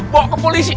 bawa ke polisi